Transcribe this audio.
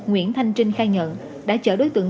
nguyễn thanh trinh khai nhận đã chở đối tượng